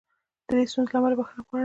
د دې ستونزې له امله بښنه غواړم.